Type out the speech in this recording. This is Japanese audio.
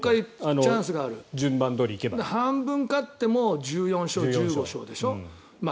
半分勝っても１４勝、１５勝でしょ。